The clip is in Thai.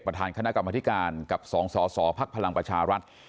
ประธานคณะกรรมธิการกับสองส่อภักดิ์พลังประชารัฐ